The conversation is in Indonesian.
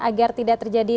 agar tidak terjadi